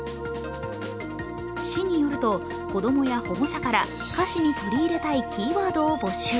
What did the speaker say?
市によると、子供や保護者から歌詞に取り入れたいキーワードを募集。